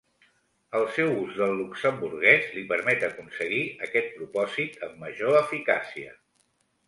El seu ús del luxemburguès li permet aconseguir aquest propòsit amb major eficàcia.